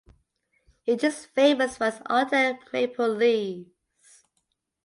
It is famous for its autumn maple leaves.